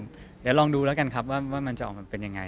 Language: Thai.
เดี๋ยวลองดูแล้วกันครับว่ามันจะออกมาเป็นยังไง